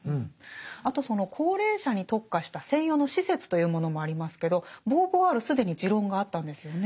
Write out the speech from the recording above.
あとその高齢者に特化した専用の施設というものもありますけどボーヴォワール既に持論があったんですよね。